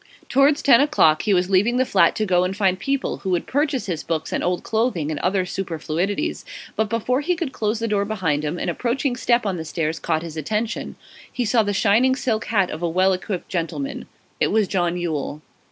Towards ten o'clock he was leaving the flat to go and find people who would purchase his books and old clothing and other superfluities; but before he could close the door behind him, an approaching step on the stairs caught his attention. He saw the shining silk hat of a well equipped gentleman. It was John Yule.